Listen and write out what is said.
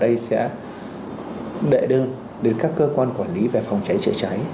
thì người dân ở đây sẽ đệ đơn đến các cơ quan quản lý về phòng cháy chữa cháy